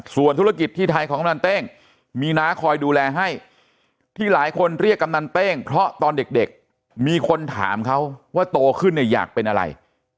ส่วนธุรกิจที่ไทยของกำนันเต้งมีน้าคอยดูแลให้ที่หลายคนเรียกกำนันเต้งเพราะตอนเด็กมีคนถามเขาว่าโตขึ้นเนี่ยอยากเป็นอะไร